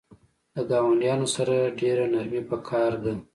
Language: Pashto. د ګاونډیانو سره ډیره نرمی پکار ده